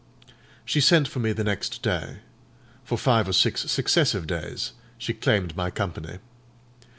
She sent for me the next day; for five or six successive days she claimed my company.